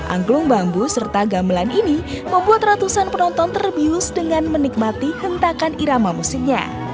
angklung bambu serta gamelan ini membuat ratusan penonton terbius dengan menikmati hentakan irama musiknya